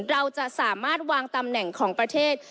เราจะสามารถวางตำแหน่งของประเทศ